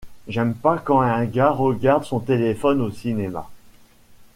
J'aime pas quand un gars regarde son téléphone au cinéma.